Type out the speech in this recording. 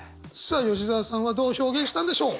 さあ吉澤さんはどう表現したんでしょう？